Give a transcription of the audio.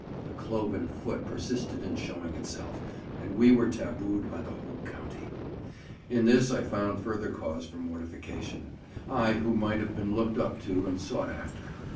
The cloven foot persisted in showing itself, and we were tabooed by the whole county. In this I found further cause for mortification—I who might have been looked up to and sought after.